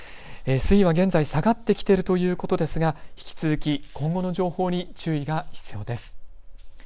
水位は現在下がってきているということですが引き続き今後の情報に注意が必要です。